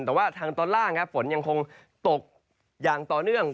แต่ว่าทางตอนล่างครับฝนยังคงตกอย่างต่อเนื่อง